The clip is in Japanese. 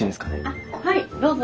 あっはいどうぞ。